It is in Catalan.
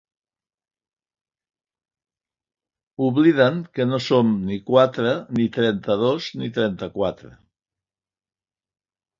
Obliden que no som ni quatre, ni trenta-dos, ni trenta-quatre.